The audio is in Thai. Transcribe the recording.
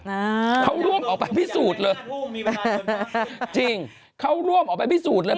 อ่าเขาร่วมออกไปพิสูจน์เลยจริงเขาร่วมออกไปพิสูจน์เลย